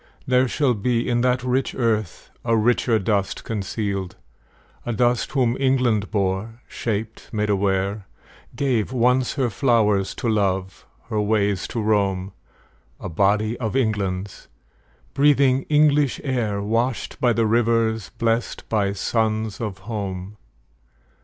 There shall be In that rich earth a richer dust concealed; A dust whom England bore, shaped, made aware, Gave, once, her flowers to love, her ways to roam, A body of England's, breathing English air, Washed by the rivers, blest by suns of home.